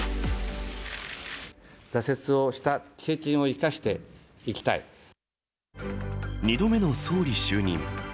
挫折をした経験を生かしてい２度目の総理就任。